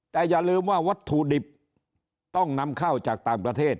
แต่อย่าลืมว่าวัตถุดิบต้องนำเข้าจากต่างประเทศ